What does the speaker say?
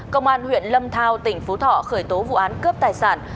công an huyện lâm thao tỉnh phú thọ khởi tố vụ án cướp tài sản